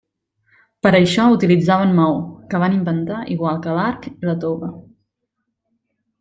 Per a això utilitzaven maó, que van inventar igual que l'arc, i la tova.